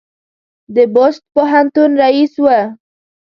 د بُست پوهنتون رییس و.